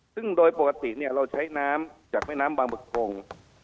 ซึ่งโดยปกติเราใช้น้ำจากแม่น้ำบางบึกคง